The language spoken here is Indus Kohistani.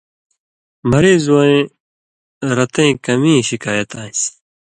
مریض وَیں رتَیں کمِیں شکایت آن٘سیۡ۔